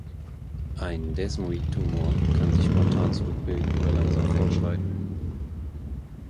Ein Desmoid-Tumor kann sich spontan zurückbilden oder langsam fortschreiten.